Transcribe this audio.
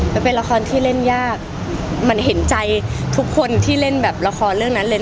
มันเป็นละครที่เล่นยากมันเห็นใจทุกคนที่เล่นแบบละครเรื่องนั้นเลย